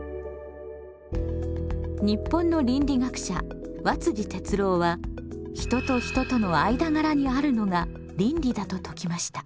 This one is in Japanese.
日本の倫理学者和哲郎は人と人との間柄にあるのが倫理だと説きました。